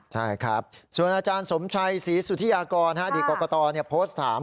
ใช่ครับส่วนอาจารย์สมชัยศรีสุธิยากรอดีตกรกตโพสต์ถาม